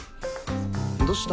どうした？